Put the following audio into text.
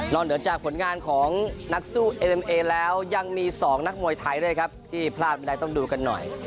เหนือจากผลงานของนักสู้เอ็มเอแล้วยังมี๒นักมวยไทยด้วยครับที่พลาดไม่ได้ต้องดูกันหน่อย